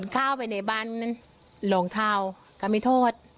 เข้าไปในบ้านลองเท้ากลับมีโทษ